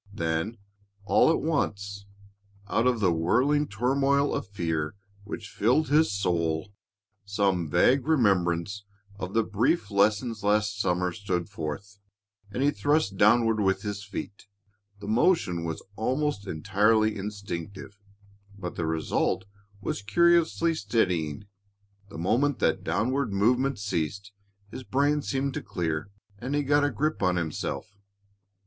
Then all at once, out of the whirling turmoil of fear which filled his soul, some vague remembrance of the brief lessons last summer stood forth, and he thrust downward with his feet. The motion was almost entirely instinctive, but the result was curiously steadying. The moment that downward movement ceased, his brain seemed to clear and he got a grip on himself.